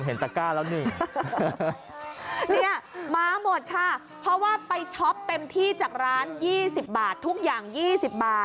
ตะก้าแล้วหนึ่งเนี่ยมาหมดค่ะเพราะว่าไปช็อปเต็มที่จากร้าน๒๐บาททุกอย่าง๒๐บาท